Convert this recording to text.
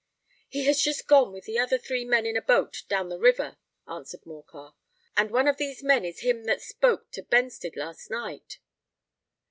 "He has just gone with three other men in a boat, down the river," answered Morcar; "and one of these men is him that spoke to Benstead last night."